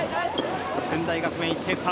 駿台学園、１点差。